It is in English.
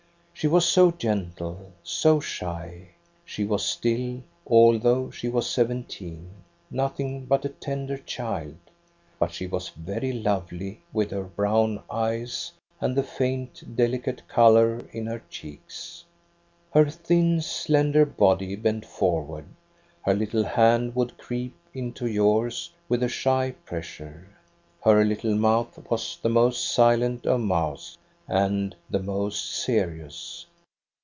She was so gentle, so shy. She was still, although she was seventeen, nothing but a tender child; but she was very lovely, with her brown eyes, and the faint, delicate color in her cheeks. Her thin, slender body bent forward. Her little hand would creep into yours with a shy pressure. Her little mouth was the most silent of mouths and the most serious.